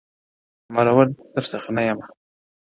مــروره در څه نـه يمـه ه ـ